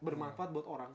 bermanfaat buat orang